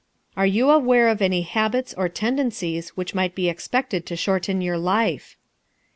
Are you aware of any habits or tendencies which might be expected to shorten your life?